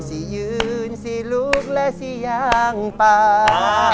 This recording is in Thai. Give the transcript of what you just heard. สี่ยืนสี่ลูกสี่ยางป้าย